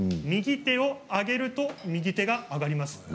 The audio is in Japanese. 右手を上げると右手が上がります。